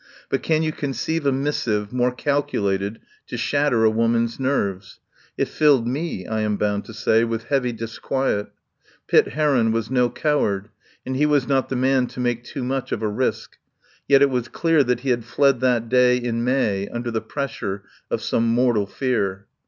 But can you conceive a mis sive more calculated to shatter a woman's nerves? It filled me, I am bound to say, with heavy disquiet. Pitt Heron was no coward, and he was not the man to make too much of a risk. Yet it was clear that he had fled that day in May under the pressure of some mortal fear.